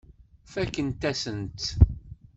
Fakkent-asen-tt.